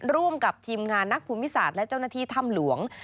ร่วมกับทีมงานนักภูมิสาธิ์และเจ้นัทีถ้ำหลวง